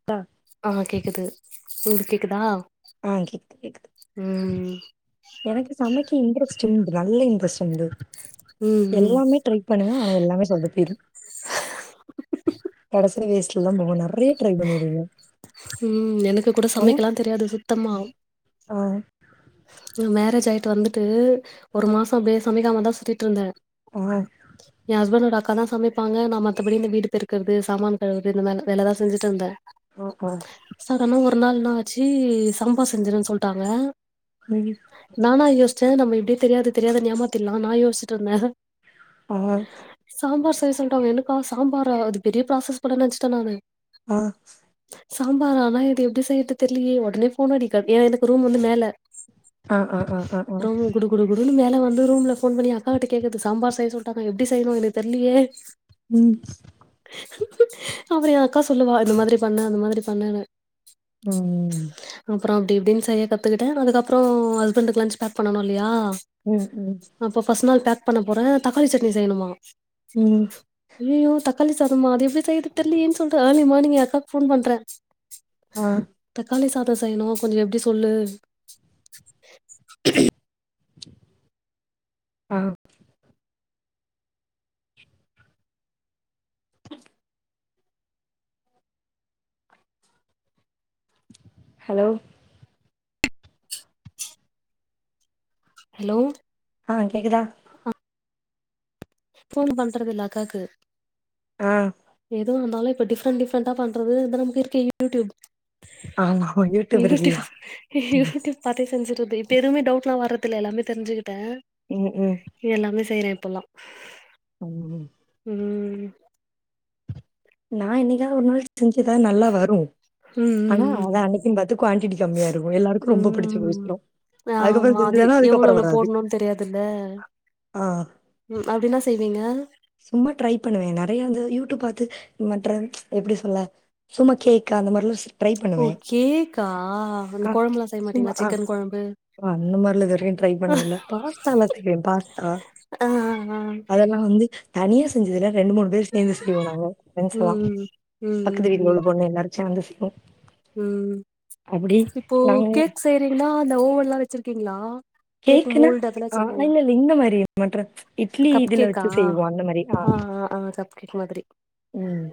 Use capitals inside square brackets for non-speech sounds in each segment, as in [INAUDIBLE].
[UNINTELLIGIBLE] ஆ கேக்குது உங்ளுக்கு கேக்குதா ஆ கேக்குது கேக்குது ம் எனக்கு சமைக்க இன்ட்ரெஸ்ட் உண்டு நல்ல இன்ட்ரெஸ்ட் உண்டு ம் ம் எல்லாமே ட்ரை பண்ணுவே ஆனா எல்லாமே சொதப்பீரு கடைசில வேஸ்ட்ல தா போகு நெறைய்ய ட்ரை பண்ணிருக்கே ம் எனக்கு கூட ஆனா சமைக்கலா தெரியாது சுத்தமா ஆ ம் மேரேஜ் ஆய்ட்டு வந்துட்டு ஒரு மாசோ அப்டியே சமைக்காம தா சுத்திட்ருந்தே [UNINTELLIGIBLE] [INAUDIBLE] எ ஹஸ்பண்ட்டோட அக்கா தா சமைப்பாங்க நா மத்தபடி இந்த வீடு பெருக்றது சாமான் கழுவ்றது இந்த மார் வேல தா செஞ்சுட்டுருந்தே அ அ சடன்னா ஒரு நாள் என்னாச்சு சம்பார் செஞ்சிருன் சொல்ட்டாங்க ம் நானா யோசிச்சே நம்ம இப்டியே தெரியாது தெரியாதுனு ஏமாத்திர்லா நா யோசிச்ட்ருந்தே ஆஹ சாம்பார் செய்ய சொல்ட்டாங்க என்னக்கா சாம்பாரா அது பெரிய ப்ராசஸ் போல நென்ச்சுட்டே நானு ஆ சாம்பாரா ஆனா இது எப்டி செய்யறது தெர்லியே உடனே ஃபோன் அடி க எ எனக்கு ரூம் வந்து மேல ஆ ஆ ஆ ஆ ஆ ரூம் குடு குடு குடுன்னு மேல வந்து ரூம்ல ஃபோன் பண்ணி எ அக்கா கிட்ட கேக்றது சாம்பார் செய்ய சொல்ட்டாக்கா எப்டி செய்யணு எனக்கு தெர்லியே ம் அப்றோ எ அக்கா சொல்லுவா இந்த மாதிரி பண்ணு அந்த மாதிரி பண்ணுனு ம் அப்றோ அப்டி இப்டின் செய்ய கத்துக்கிட்டே அதுக்கப்றோ ஹஸ்பண்டுக்கு லஞ்ச் பேக் பண்ணனு இல்லயா ம் ம் அப்போ ஃபஸ்ட் நாள் பேக் பண்ண போறே தக்காளி சட்னி செய்யணுமா ம் அய்யய்யோ தக்காளி சாதமா அது எப்டி செய்றது தெர்லயேன் சொல்ட்டு ஏர்லிமானிங் எ அக்காக்கு ஃபோன் பண்றே ஆ தக்காளி சாத செய்யணு கொஞ்ச எப்டி சொல்லு ஆ ஹலோ ஹலோ ஆஹ் கேக்குதா ஃபோன் பண்றது இல்ல அக்காக்கு ஆ எதுவு வந்தாலே இப்ப டிஃப்ரெண்ட் டிஃப்ரெண்டா பண்றது அதா நமக்கு இருக்கே யூ டியூப் ஆமா இருக்குல்ல யூடியூப் யூடியூப் பாத்தே செஞ்சுறது இப்ப எதுமே டவுட் எல்லா வர்றதுல்ல எல்லாமே தெரிஞ்சுக்கிட்டே ம் ம் இ எல்லாமே செய்றே இப்போல்லா அம் ஹூம் ம் நா என்னிகாவது ஒரு நாள் செஞ்சிதா நல்லா வரு ஆனா ம் ம் அத அன்னைக்குன்னு பாத்து குவான்ட்டி கம்மியா இருக்கு எல்லாருக்கு ரொம்ப பிடிச்சு ம் போயிரு. அதுக்கப்புறம் ஆமா அது செஞ்சதுன்னா, எவ்ளோ அதுக்கப்புறம் எவ்ளோ வராது. போடணுனு தெரியாதுல்ல ஆ ம் அப்டி என்னா செய்வீங்க சும்மா ட்ரை பண்ணுவே நெறைய வந்து யூடியூப் பாத்து மற்ற எப்டி சொல்ல சும்மா கேக் அந்த மாரிலா செய் ஓ கேக்கா ஆ இந்த கொழம்புல்லா செய்ய சும்மா மாட்டீங்களா ஆ சிக்கன் கொழம்பு அந்த மாரில இதுவரையு ட்ரை பண்ணதுல்ல பாஸ்தா எல்லா தெரியு பாஸ்தா ஆ ஆ அதெல்லா வந்து தனியா செஞ்சதுல்ல ரெண்டு மூணு பேர் சேந்து செய்வோ நாங்க ஃபிரெண்ட்ஸ்ல்லா ம் பக்கத்து வீட்டு ம் ம் உள்ள பொண்ணு எல்லாரு சேந்து செய்வோ ம் இப்போ நாங்க கேக் செய்யறீங்கன்னா அந்த ஓவன்லா வச்சிருக்கீங்களா கேக் கேக்குனா மோல்டு அதெல்லா ஆ வச்சிருக்கீங்களா இல்ல இல்ல இந்த மாரி மற்ற இந்த இட்லி கப் இதுல வச்சு கேக்கா செய்வோ அந்த மாரி தே ஆ ஆ கப் கேக் மாதிரி ம்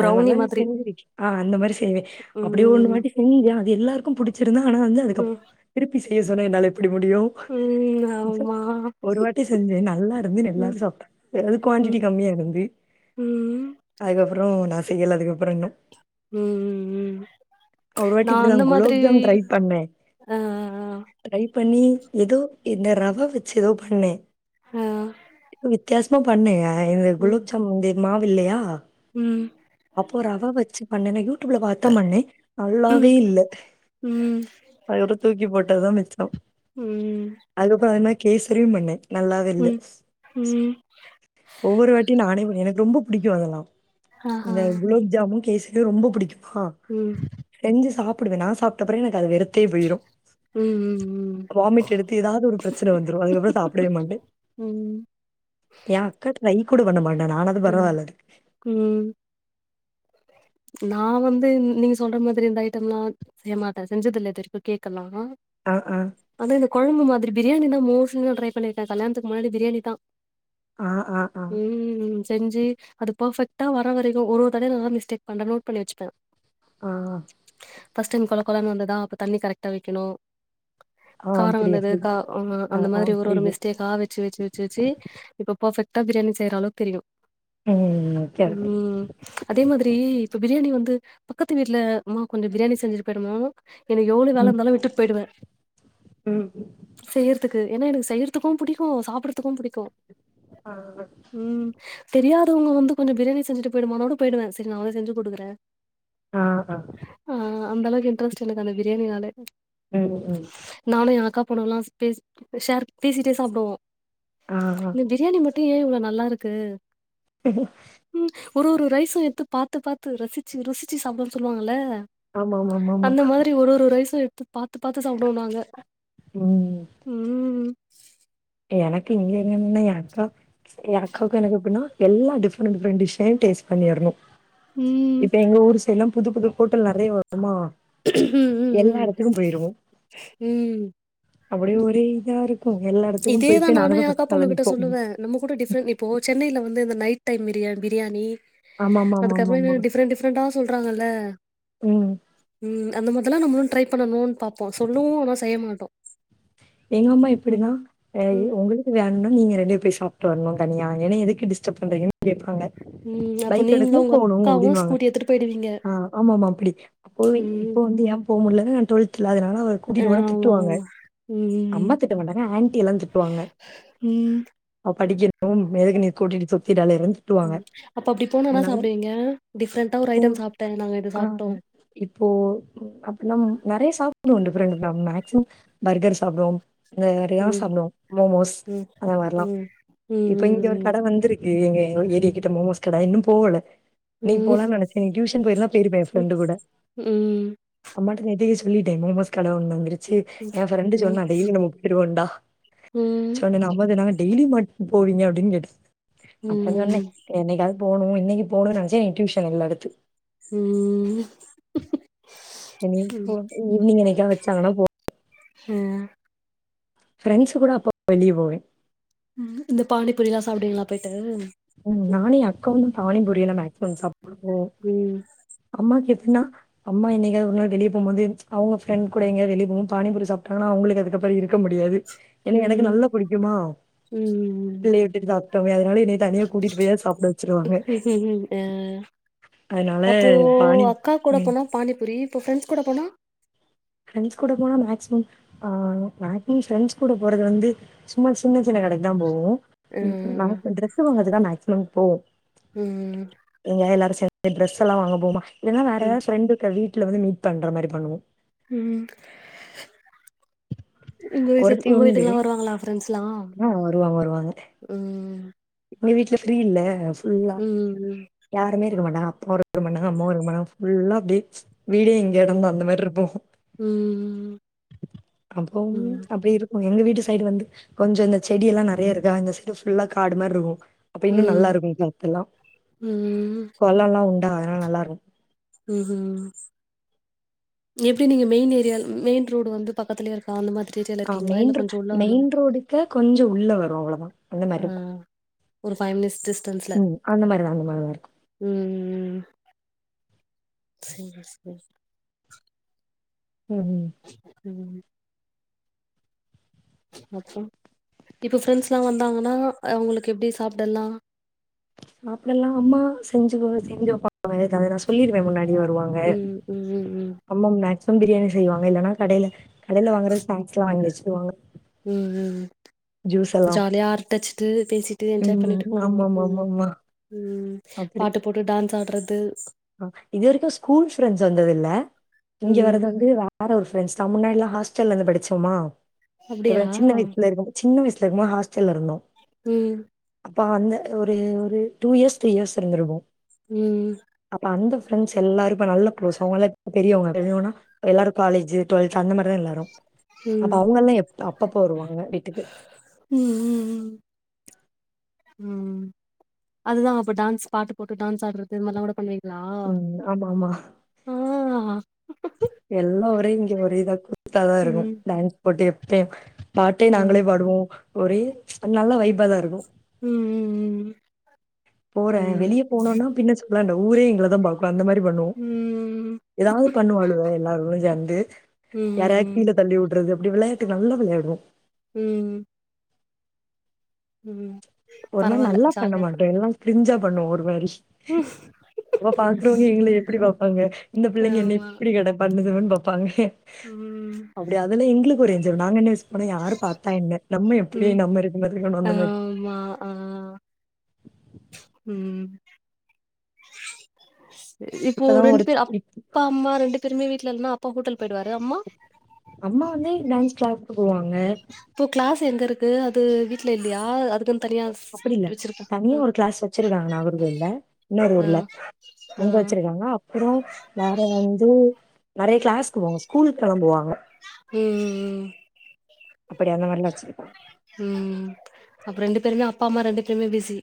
அத மாரிலா நா மாதிரி செஞ் ஆ அந்த மாரி செய்வேன் அப்டியே ஒண்ணு ம் மாட்டி செஞ்சேன் அது எல்லாருக்கு புடிச்சிருந்தா ஆனா வந்து அதுக்கப்பறோ ம் திருப்பி செய்ய சொன்ன என்னால எப்டி முடியு ம் திஸா ஆமா ஒரு வாட்டி செஞ்சேன் நல்லா இருந்து எல்லாரு ம் சாப்டாங்க பெறவு குவான்டிட்டி ம் கம்மியா இருந்து ம் அதுக்கப்பறோ நா செய்யல அதுக்கப்பறோ இன்னு ம் ம் ம் ஒரு வாட்டி நா அந்த இப்படிதான் மாதிரி குலோப் ஜாம் ட்ரை பண்ணேன். அ அ அ ட்ரை பண்ணி எதோ இந்த ரவ வச்சு எதோ பண்ணே ஆ தூங்கித் வித்தியாசமா பண்ணேங்க இந்த குலாப் ஜாமுன் இந்த மாவு இல்லையா உம் அப்போ ரவ வச்சு பண்ணணே யூடியூப்ல பாத்த பண்ணே ம் நல்லாவே இல்ல ம் அதோட தூக்கி போட்டது தா மிச்சோ ம் அதுக்கப்பறோ நா கேசரியு பண்ணே நல்லாவே இல்ல உம் ஒவ்வொரு வாட்டியு நானே பண்ணே எனக்கு ரொம்ப பிடிக்கு அதெல்லா ஆஹா இந்த குலாப்ஜாமு கேச ரியு ரொம்ப பிடிக்குமா ம் செஞ்சு சாப்புடுவே நா சாப்ட்டப்பிறகு எனக்கது வெறு த்தேபோயிரு ம் ம் வாமிட் எடுத்து எதாவது ஒரு பிரச்சன வந்துரு அதுக்கப்றோ சாப்டவே மாட்டே ம் எ அக்கா ட்ரை கூட பண்ண மாட்டா நானாத் ம் ம் நா வந்து நீங்க சொல்ற மாதிரி இந்த ஐட்டம்லா செய்ய மாட்டே செஞ்சதில்ல இதுவரைக்கு கேக்கெல்லா ஆ ஆ அந்த இந்த கொழம்புமாதிரி பிரியாணி நா மோஸ்ட்லி நா ட்ரை பண்ணிருக்கே கல்யாணத்துக்கு முன்னாடி பிரியாணிதா ஆ, ஆ, ஆ, ம் செஞ்சு அது ஃபெர்ஃபெக்ட்டா வர வரைக்கு ஒரு ஒரு தட நா எதா மிஸ்டேக் பண்ற நோட் பண்ணி வச்சுப்பே ஆ ஃபர்ஸ்ட் டைம் கொழ கொழனு வந்ததா அப்ப தண்ணி கரெட்டா வெக்கணு ஆ, காரோ புரியுது, வந்தது புரியுது. கா [UNINTELLIGIBLE] ஆ, அந்த ஆ, மாரி ஒரு ஒரு புரியுது. மிஸ்டேக்கா வெச்சு வெச்சு வெச் சுச்சு இப்ப ஃபெர்ஃபெக்ட்டா பிரியாணி செய்ற அளவ் தெரியு ம். Okay, okay. ம் அதே மாதிரி இப்ப பிரியாணி வந்து பக்கத்து வீட்டுலமா கொஞ்சோ பிரியாணி செஞ்சுட்டு போயிடுமா எனக்கு எவ்ளோ வேல ம், இந்தாலு விட்டுட் போய்டுவே ம். செய்யறத்துக்கு ஏன்னா எனக்கு செய்யறத்துக்கும் புடிக்கு சாப்பட்றத்துக்கு புடிக்கும் ஆ, ம் தெரியாதவங்க வந்து கொஞ்சோ பிரியாணி செஞ்சுட்டு போயிடும்மானோடு போயிடுவே சரி நா வந்து செஞ்சு குடுக்றே ஆ ஆ ஆ அந்த அளவுக்கு இன்ட்ரஸ்ட் எனக்கு அந்த பிரியாணினாலே ம் ம் நானு எ அக்கா பொண்ணுங்கல்லா ஷ் பேஷ் ஷேர் பேசிட்டே சாப்டுவோ ஆ, ஆ. இந்த பிரியாணி மட்டு ஏன் இவ்ளோ நல்லாருக்கு [UNINTELLIGIBLE] ம் ஒரு ஒரு ரைஸு எட்த்து பாத்து பாத்து ரசிச்சு ருசிச்சு சாப்டனு சொல்வாங்கல்ல ஆமாமாமாமா. அந்த மாதிரி ஒரு ஒரு ரைசு எட்த்து பா த்து பாத்து சாப்டுவோ நாங்க ம். ம் எனக்கு இங்க இன்னு எ அக்கா எ அக்காவுக்கு எனக்கு எப்ன்னா எல்லா டிஃப்ரெண்ட் டிஃரெண்ட் டிஷ்ஷையு டேஸ்ட் பண்ணிறணு ம். இப்ப எங்க ஊரு எல்லா புது புது ஹோட்டல் நெறைய வருமா ம். ம். எல்லா ம். எடத்துக்கு போயிருவோ ம். அப்டி ஒரே இதா இருக்கு எல்லா எட இதேதா நானு எ அக்கா பொண்ணு கிட்ட சொல்லுவே நம்ம கூட டிஃப்ரெண்ட் இப்போ சென்னைல வந்து இந்த நைட் டைம் பிரியாண் பிரியாணி அது ஆமாமாமாமாமா [UNINTELLIGIBLE] டிஃப்ரென்ட் டி ஃப்ரண்டா சொல்றாங்கல்ல ம் ம் அந்த மாதுலா நம்முளு ட்ரை பண்ணனு பாப்போ சொல்லுவோ ஆனா செய்ய மாட்டோ எங்கம்மா இப்டிதா ம் எ இ ம் ஒங்ளு வேணுன்னா நீங்க ரெண்டு போ் சாப்ட்டு வரனு தனியா என்னய எதுக்கு டிஸ்டப் பண்றீங்க கேப்பாங்க ம் அப்ப பைக் நீங்களு எடுக்னு உங்க போணு அக்காவு அப்டின்வாங்க ஸ்கூட்டி எடுத்துட்டு போயிடுவீங்க ஆ ஆம்மாமா அப்பிடி அப்போது ம் இப்போ வந்து ஏ போ முல்லன்னு டுவல்த்ல அதுனால அவள கூட்டிட்டு போனா ஆமா திட்டுவாங்க ஆமா ம் அம்மா திட்ட மாட்டாங்க ஆண்ட்டி எல்லா திட்டுவாங்க ம் அவ படிக்கி [UNINTELLIGIBLE] எதுக் நீ கூட்டிட்டு சுத்திட்டு அலையறேன் திட்டுவாங்க அதனால டிஃப்ரண்டா ஒரு இப்போ ஐட்டம் சாப்ட்ட நாங்க இது ஆ சாப்ட்டோ இப்போ அப்டினா நெறைய சாப்டுவோ டிஃபரண்ட் [UNINTELLIGIBLE] மேக்ஸிமம் பர்கர் சாப்டுவோ இங்க நெறையா ம் சாப்டுவோ மோமோஸ் ம் அந்த மாரிலா ம் ம் இப்போ ம் இங்க ஒரு கட வந்திருக் எங்க ஏரியா கிட்ட மோமோஸ் கட இன்னு போகல இன்னைக் ம் ம் போலான் நெனச்சே நீ டியூஷன் போயிருந்தா போயிருப்பே எ ஃப்ரெண்டு கூட ம் அம்மாட்ட நேத்தே சொல்லிட்டே மோமோஸ் கட ஒன்னு வந்துருச்சி எ ஃப்ரண்டு ம் மொக்கிருவோண்டா சொன்னனா அம்மா சொன்னாங்க டெய்லி மாட் போவீங்க அப்டின் கேட்டாங்க அப்ற சொன்னே ம் என்னைக்காவது போனு இன்னைக்கு போணுன் நெனச்சே டியூஷன் இல்ல அடுத்து ம் எங்கியு ம் போனு ஈவ்னிங் என்னைக்கா வெச்சாங்கனா போ ம் ஃப்ரெண்ட்ஸ் கூட அப்பப் வெளிய போவே ம் இந்த பானி பூரிலா சாப்டுவீங்களா போய்ட்டு ம் நானு எ அக்காவு தா பானி பூரி எல்லா மேக்சிமம் சாப்புடுவோ ம் அம்மாக்கு எதுனா அம்மா என்னைக்காவது ஒரு நாள் வெளிய போ மோது அவுங்க ஃப்ரெண் கூட எங்கயா வெளிய போவு பானி பூரி சாப்டாங்கனா அவுங்களுக்கு அதுக்கப்புற இருக் க்க முடியாது என்னைய எனக்கு ம் நல்லா புடிக்குமா ம் பிள்ளைய விட்டுட்டு சாப்டமே அதனால என்னைய தனியா கூட்டிட்டு போயாவது சாப்ட வச்சிருவாங்க ம்ஹ்ஹ்ம் அ அதனால அப்போ பானி அக்கா கூட ம் போனா பானிபூரி இப்போ ஃப்ரெண்ட்ஸ் கூட போனா ஃப்ரெண்ட்ஸ் கூட போனா மேக்சிமம் அ மேக்சிமம் ஃப்ரெண்ட்ஸ் கூட போறது வந்து சும்மா சின்ன சின்ன கடைக்குதா போவோ அ நமக்கு டிரஸ் வங்கறது தா மேக்சிமம் போவோ ம் இங்க எல்லாரு சேந்து டிரஸ் எல்லா வாங்க போவமா இல்லனா வேற ம் ஃப்ரெண்டு இருக்க வீட்ல வந்து மீட் பண்ற மாரி பண்ணுவோ ம் உங்க வீட்டு சைடு ஒருத்தி உங்க உண்டு வீட்டுக்குலா வருவாங்களா ஃப்ரெண்ட்ஸ்லா ம் ஆ வருவாங்க வருவாங்க எங்க வீட்ல ஃப்ரீ இல்ல ஃபுல் ம் ம் யாருமே இருக்க மாட்டாங்க அப்பாவு இருக்க மாட்டாங்க அம்மாவு இருக்க மாட்டாங்க ஃபுல்லா அப்டே வீடே எங் எடம்பு ம் அந்த மார் இருப்போ ம் அப்போ ம் அப்டி இரு எங்க வீட்டு சைடு வந்து கொஞ்சோ இந்த செடி எல்லா நெறைய இருக்கா இந்த சைடு ஃபுல்லா காடு மாரி இருக்கு அப்ப இன்னு நல்லா ம் இருக்கு கர்த்தெல்லா ம் கொல்லலா உண்டா அதனால நல்லா இருக்கு ம் ஹிம் எப்டி நீங்க மெயின் ஏரியா மெயின் ரோடு் வந்து பக்கத்துலயே இருக்கா அந்த மாதிரி ஏரியால ஆ இருக்கீங்ளா மெயின் இல்ல ரோ கொஞ்சோ உள்ள மெயின் வரணுமா ரோடுக்கு கொஞ்சோ உள்ள வரு அவ்ளோதா அந்த மாரி அ இருக்கு ஒரு ஃபைவ் மினிட்ஸ் டிஸ்டன்ஸ்ல ம் அந்த மாரிதா அந்த மாரிதா இருக்கு ம் சேரி சேரி ம் ஹூ ம் அப்றோ இப்ப ஃப்ரெண்ட்ஸ்லா வந்தாங்கனா அவுங்களுக்கு எப்டி சாப்டலா சாப்டெல்லா அம்மா செஞ்சி கோ செஞ்சி வெப்பாங்க நம்ம எதா தேவையாதா சொல்லிருவே முன்னாடி வருவாங் ம் ம் ம், அம்மா மேக்சிமம் பிரியாணி செய்வாங்க இல்லனா கடையில கடையில வாங்குற ஸ்நாக்ஸ்லா வாங்கி வச்சிருவாங்க ம் ம் ஜூஸ் எல்லா ஜாலியா அரட்டச்சிட்டு பேசிட்டு என்ஜாய் பண்ணிட்டு ம் போவோங்கோ ம் ஆமாமாமாமா ம் பாட்டு போட்டு டான்ஸ் ஆட்றது அ இது வரைக்கு ஸ்கூல் ஃப்ரெண்ட்ஸ் வந்ததில்ல இங்க ம். வரது வந்து வேற ஒரு ஃப்ரெண்டஸ் தா முன்னாடிலா ஹாஸ்டல்லந்து படிச்சமா அப்டியா? எவ்ள சின்ன வயசுல இருக்க போ சின்ன வயசுல இருக்க போ ஹாஸ்டல்ல இருந்தோ ம் அப்ப அந்த ஒரு ஒரு டூ இயர்ஸ் த்ரீ இயர்ஸ் இருந்துருவோ ம் அப்ப அந்த ஃப்ரெண்ட்ஸ் எல்லாரு இப்ப நல்ல க்ளோஸ் அவுங்களா இப் பெரியவங்க பெரியவங்கனா எல்லாரு காலேஜி டுவெல்த் அந்த மாரிதா எல்லாரு அப்ப ம், அவுங்க எல்லா எப் அப்பப்ப வருவாங்க வீட்டுக்கு ம் ம் ம் ம் அதுதா அப்ப டான்ஸ் பாட்டு போட்டு டான்ஸ் ஆடுறது இது மார்லா கூட பண்ணுவீங் லா ம். ஆமாமா. ஆ எல்லா ஒரே இங்க ஒரே இதா கூ த்தாதா இருக்கு ம், டான்ஸ் போட்டு எப்பயு பாட்டே ம், நாங்களே பாடுவோ ஒரே நல்ல வைபா தா இருக்கு ம் ம் ம் போறே ம், வெளிய போனோனா பின் எச் பிளாண்ட் ஊரே எங்கள தா பாக்கு ப்ப அந்த மாரி பண்ணுவோ ம். ஏதாவது பண்ணுவோ எல்லாரு கூடையு சேந்து யாரா ம், கீழ தள்ளி வுட்றது அப்டி வெளையாட்டு நல்லா வெளையாடுவோ ம் ம் ஒரு மாரி பரவால்ல நல்லா பண்ண ஜாலியா மாட்டோ எல்லா கிரிஞ்சா பண்ணுவோ ஒரு மாரி ம் அப்ப பாக்குறவங்க எங்கள எப்டி பாப்பாங்க இந்த பிள்ளைங்க என்ன ஆமா. இப்பிடி கட பண்ணுதுங்கன் பாப்பாங்க ம் அப்டி அதெல்லா எங்களுக்கு ஒரு என்ஜாய் இப்ப நாங்க என்ன யோசிப்போனா யாரு பாத்தா என்ன நம்ம ம். எப்டி நம்ம இருக்க மாதிரி பண்ணுவோ அந்த மாரி ஆமா ஆ ம் இப்போ இப்பதான் ரெண்டு ஒரு பேர் இப் அப்பா அம்மா ரெண்டு பேருமே வீட்ல இருந்தோ அப்பா ஹோட்டல் போய்டுவாரு அம்மா அம்மா வந்து டான்ஸ் கிளாஸ்க்கு போவாங்க இப்போ கிளாஸ் எங்க இருக்கு அது வீட்ல இல்லையா அதுக்கு அப்டி இல்ல தனியா ஒரு கிளாஸ் வச்சிருக்காங்க நாகர் கோவில்ல இன்னொரு அ, ஊர்ல அ. அங்க வச்சிருக்காங்க அப்றோ வேற வந்து நெறைய கிளாஸ்க்கு போவாங்க ஸ்கூலுக்கு கெளம்புவாங்க ம் ம் ம் அப்டி அந்த மார்லா வச்சிருப்பாங் ம் அப்ப ரெண்டு பேருமே அப்பா அம்மா ரெண்டு பேருமே பிஸி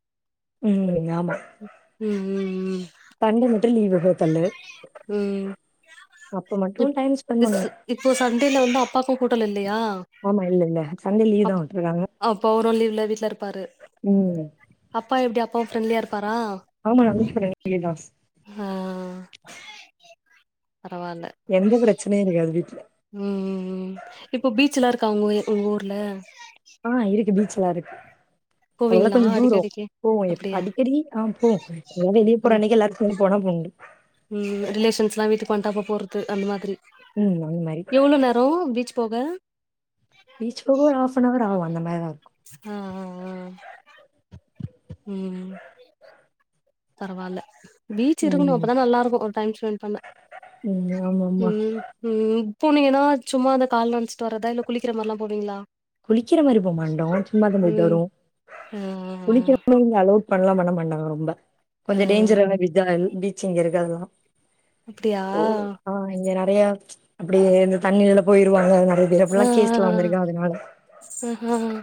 ம் ஆமா ம் ம் ம் சண்டே மட்டு லீவு ஹோட்டல்லு ம், ம். அப்ப மட்டு இப் டைம் ஸ்பெண் இஸ் பண்ணுவே இப்போ சண்டேல வந்து அப்பாக்கு ஹோட்டல் இல்லையா ஆமா இல்ல இல்ல சண்டே லீவ் தா அப் விட்ருக்காங்க அப்ப அவரும் லீவ்ல வீட்ல இருப்பாரு ம். அப்பா எப்படி அப்பா ஃப்ரெண்ட்லியா இருப்பாரா ஆமா நல்ல ஃப்ரண்ட்லிதா ம் பரவால்ல எந்த பிரச்சனையு இருக்காது வீட்ல ம் ம் ம் இப்போ பீச்ச எல்லா இருக்கா உங்க உங்க ஊர்ல ஆ இருக்கு பீச்செல்லா இருக்கு போவீங்களா தூரோ அடிக்கடிக்கு போவோ எ அப்டியா அடிக்கடி ஆ போவோ எல்லா வெளியே போற ம் அன்னைக்கு எல்லாருக்கு ஒ போனா போண்டு ம் ரிலேஷன்ஸ்லா வீட்டுக்கு வண்டாப்பா போறது அந்த மாதிரி ம் அந்த மாரி போம் பீச் போக பீச்ச போக ஒரு ஹாஃப் அன் அவர் ஆகு அந்த மாரி தா ம் ம் ம் ம் பரவால்ல பீச் இருக்கணு ம். அப்பதா நல்லாருக்கு ஒரு டைம் ஸ்பெண்ட் பண்ண ம். ஆமாமா. ம் ம் இப்ப நீங்க ஏன்னா சும்மா அந்த கால் நனச்சிட்டு வர்றதா இல்ல குளிக்கிற மாரிலா போவீங்களா குளிக்கிற மாரி போமாடோ சும்மா தா போயிட்டு ம் வருவோ ஆ ஆ குளிக்கிற [INAUDIBLE] ஓர் அளவுக் பண்ணலா பண்ண மாட்டாங்க ரொம்ப ஆ கொஞ்ச ஆ டேஞ்சரான விஜா பீச்சிங் இருக்கு அதெல்லா அப்டியா ஓ ஆ இங்க நெறைய அப்படி இந்த தண்ணில போயிருவாங்க நெறைய ப்படல்லா கேஸ்ல வந்திருக்கா அதனால ம் ம்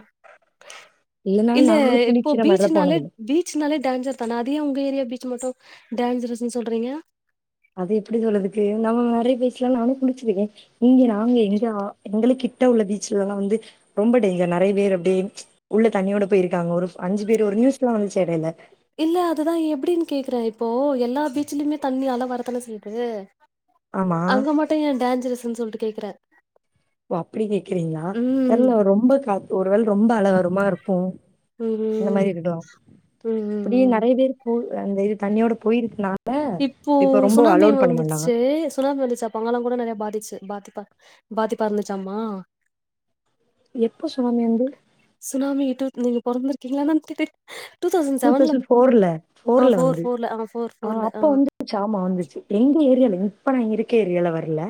இல்ல இல்லனாலும் நாங்களும் இப்போ குளிக்கிற மாரிலாம் பீச்சனால போனதில்ல. பீச் னாலே டேஞ்சர் தான அதே உங்க ஏரியா பீச் மட்டு டேஞ்சரஸ் சொல்றீங்க அது எப்படி சொல்லறதுக்கு நம்ம நெறைய பேசலா நானு புடிச்சிருக்கே இங்க நாங்க எங்க எங்களுக்கு கிட்ட உள்ள பீச்சலல்லா வந்து ரொம்ப டேஞ்சர் நெறைய பேர் அப்டியே உள்ள தண்ணியோட போயிருக்காங்க ஒரு அஞ்சு பேர் ஒரு நியூஸ் எல்லா வந்துச்சே எடையில இல்ல அதுதா எப்டின்னு கேக்குறே இப்போ எல்லா பீச்சலயுமே தண்ணி அல வரத்தான செய்யுது ஆமா அங்க மட்டு ஏ டேஞ்சரஸ்ன்னு சொல்ட்டு கேக்குற ஓ அப்படி கேக்குறீங்களா தெர்ல ரொம்ப காத் ஒரு வேள ரொம்ப அலவருமா இருக்கு ம் இந்த மாரி ம் இருகட்டு ம் அப்படியே ம் நெறைய பேர் போ அந்த இது தண்ணியோட போயிருக்குனா இப்போ இப்ப ரொம்ப சுனாமி அலோட் பண்ண மாட்டாங்க வந்துச்சே சுனாமி வந்துச்சு அப்பங்காலா கூட நெறைய பாதிச்சு பாதிப்பா பாதிப்பா இருந்துச்சாமா எப்போ சுனாமி வந்து சுனாமி நீங்க [UNINTELLIGIBLE] பொறந்திருக்கீங்களா என்னான்னு தெரி டூ தௌசண்ட் செவன்ல ஆ போர் போர்ல ஆ போர் போர்ல ஆ ஆமா வந்துச்சு எங்க ஏரியால இப்ப நா இருக்க ஏரியால வரல